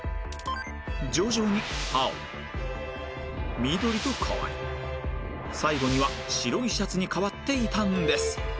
徐々に青緑と変わり最後には白いシャツに変わっていたんです